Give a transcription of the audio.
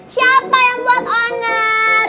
siapa yang buat onar